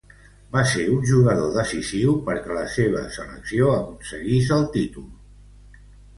Va ser un jugador decisiu perquè la seua selecció aconseguira el títol.